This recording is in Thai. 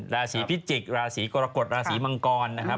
ราศีพิจิกราศีกรกฎราศีมังกร